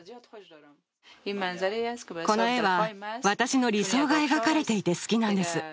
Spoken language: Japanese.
この絵は私の理想が描かれていて、好きなんです。